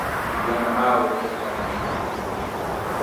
Vijana hao huenda kupiga mbizi